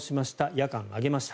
夜間、上げました。